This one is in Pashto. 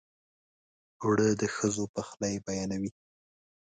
اوړه د ښځو پخلی بیانوي